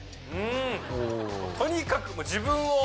とにかくもう自分を。